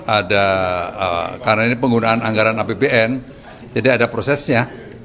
ada karena ini penggunaan anggaran apbn jadi ada prosesnya